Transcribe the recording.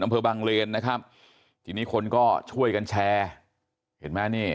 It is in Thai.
อำเภอบังเลนนะครับทีนี้คนก็ช่วยกันแชร์เห็นไหมนี่